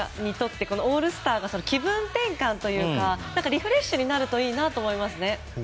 大谷選手にとってオールスターが気分転換というかリフレッシュになるといいなと思いますよね。